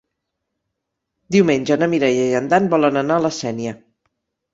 Diumenge na Mireia i en Dan volen anar a la Sénia.